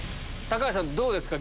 橋さんどうですか？